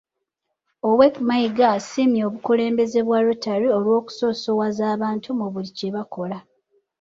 Owek.Mayiga asiimye obukulembeze bwa Rotary olw’okusosowaza abantu mu buli kye bakola.